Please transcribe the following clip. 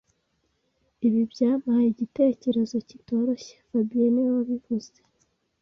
Ibi byampaye igitekerezo kitoroshye fabien niwe wabivuze